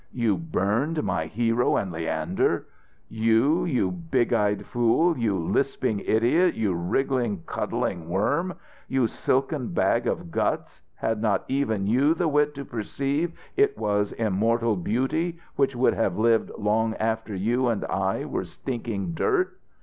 "You burned my 'Hero and Leander'! You! you big eyed fool! You lisping idiot! you wriggling, cuddling worm! you silken bag of guts! had not even you the wit to perceive it was immortal beauty which would have lived long after you and I were stinking dirt?